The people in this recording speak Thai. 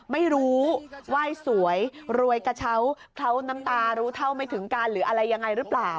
ไม่รู้ว่าไหว้สวยรวยกระเช้าเคล้าน้ำตารู้เท่าไม่ถึงการหรืออะไรยังไงหรือเปล่า